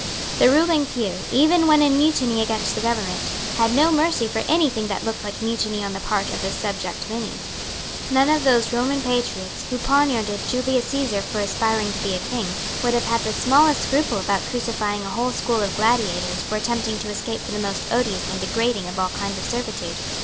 The ruling few, even when in mutiny against the government, had no mercy for any thing that looked like mutiny on the part of the subject many. None of those Roman patriots, who poniarded Julius Caesar for aspiring to be a king, would have had the smallest scruple about crucifying a whole school of gladiators for attempting to escape from the most odious and degrading of all kinds of servitude.